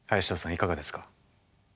いかがですか？